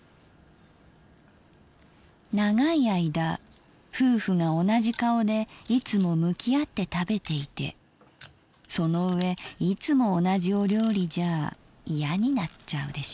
「長い間夫婦が同じ顔でいつも向き合って食べていてその上いつも同じお料理じゃ嫌になっちゃうでしょう。